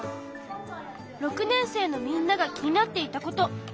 ６年生のみんなが気になっていたこと。